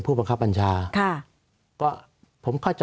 สวัสดีครับทุกคน